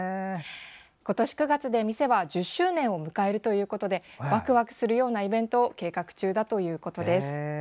今年９月で、店は１０周年を迎えるということでワクワクするようなイベントを計画中だということです。